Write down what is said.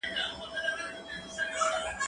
زه پرون درسونه لوستل کوم!؟